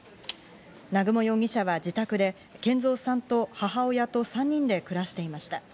南雲容疑者は自宅で賢蔵さんと母親と３人で暮らしていました。